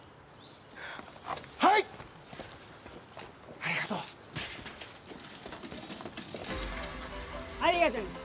ありがとう！ありがとね。